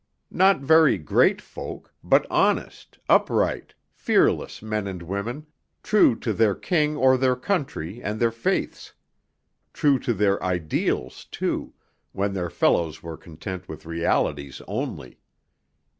Not very great folk, but honest, upright, fearless men and women, true to their king or their country and their faiths; true to their ideals, too, when their fellows were content with realities only.